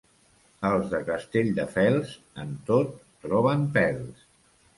Els de Castelldefels, en tot troben pèls.